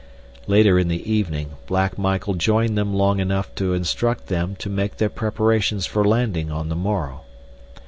Later in the evening Black Michael joined them long enough to instruct them to make their preparations for landing on the morrow.